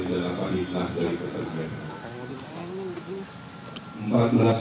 dan apa hitam dari ketegangan